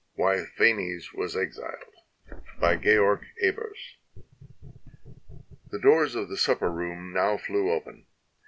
WHY PHANES WAS EXILED BY GEORG EBERS The doors of the supper room now flew open.